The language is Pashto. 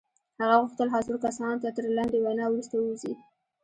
هغه غوښتل حاضرو کسانو ته تر لنډې وينا وروسته ووځي.